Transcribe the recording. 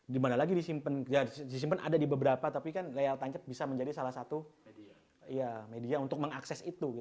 dimana lagi disimpan ada di beberapa tapi kan layar tancap bisa menjadi salah satu media untuk mengakses itu